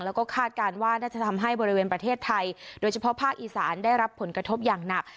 แล้วก็คาดการณ์ว่าน่าจะทำให้บริเวณประเทศไทยโดยเฉพาะภาคอีสานได้รับผลกระทบอย่างหนัก